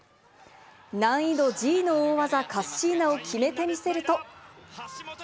難易度Ｇの大技・カッシーナを決めてみせると。